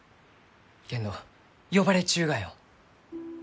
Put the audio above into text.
けんど呼ばれちゅうがよ。